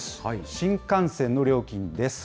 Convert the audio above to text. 新幹線の料金です。